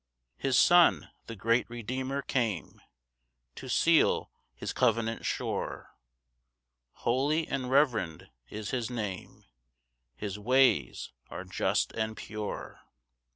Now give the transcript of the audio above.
3 His Son, the great Redeemer, came To seal his covenant sure: Holy and reverend is his Name, His ways are just and pure.